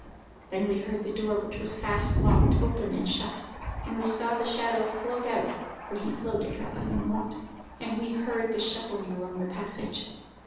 Then we heard the door, which was fast locked, open and shut; and we saw the shadow float out (for he floated rather than walked), and we heard the shuffling along the passage.